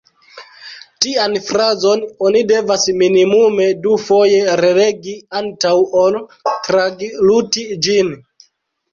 Tian frazon oni devas minimume dufoje relegi antaŭ ol tragluti ĝin.